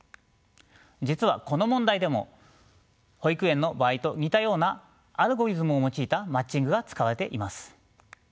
実はこの問題でも保育園の場合と似たようなアルゴリズムを用いたマッチングが使われています。